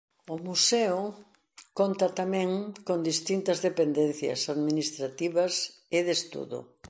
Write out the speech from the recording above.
O museo conta tamén con distintas dependencias administrativas e de estudo.